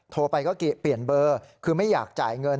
โทรไปก็เปลี่ยนเบอร์คือไม่อยากจ่ายเงิน